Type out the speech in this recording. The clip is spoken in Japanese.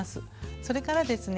それからですね